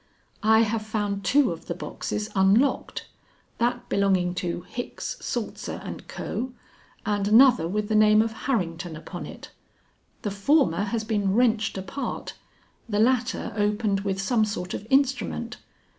"I have found two of the boxes unlocked; that belonging to Hicks, Saltzer and Co., and another with the name of Harrington upon it. The former has been wrenched apart, the latter opened with some sort of instrument.